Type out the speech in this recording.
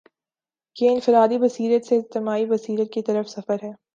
یہ انفرادی بصیرت سے اجتماعی بصیرت کی طرف سفر ہے۔